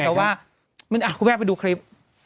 คุณแพทย์ก็ว่าคุณแพทย์ไปดูคลิป